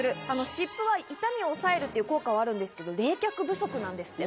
湿布は痛みを抑える効果はあるんですけど、冷却不足なんですって。